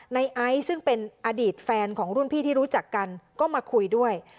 ไอซ์ซึ่งเป็นอดีตแฟนของรุ่นพี่ที่รู้จักกันก็มาคุยด้วย